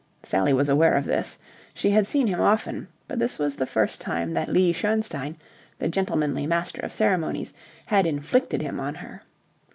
Sally was aware of this. She had seen him often, but this was the first time that Lee Schoenstein, the gentlemanly master of ceremonies, had inflicted him on her.